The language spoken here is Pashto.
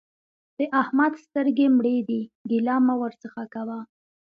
د احمد سترګې مړې دي؛ ګيله مه ورڅخه کوه.